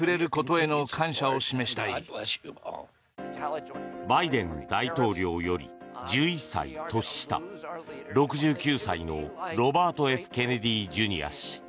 わぁバイデン大統領より１１歳年下６９歳のロバート・Ｆ・ケネディ・ジュニア氏。